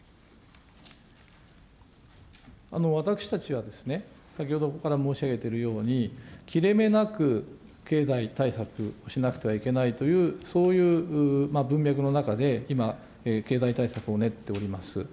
私たちはですね、先ほどから申し上げているように、切れ目なく経済対策をしなくてはいけないという、そういう文脈の中で、今、経済対策を練っております。